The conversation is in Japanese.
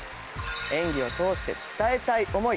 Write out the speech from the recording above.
演技を通して伝えたい思い。